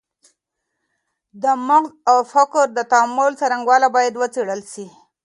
د مغز او فکر د تعامل څرنګوالی باید وڅېړل سي.